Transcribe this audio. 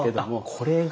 これが。